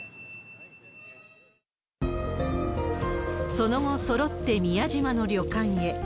その後、そろって宮島の旅館へ。